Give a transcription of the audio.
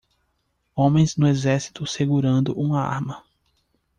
Homens no exército segurando uma arma.